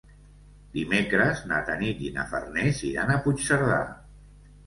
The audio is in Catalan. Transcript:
Dimecres na Tanit i na Farners iran a Puigcerdà.